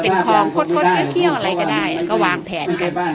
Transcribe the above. เป็นคลองคดคดเคี้ยวเคี้ยวอะไรก็ได้อ่ะก็วางแผนกัน